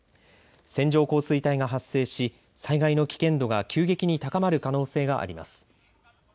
線状降水帯が発生し災害の危険度が急激に高まる可能性があります。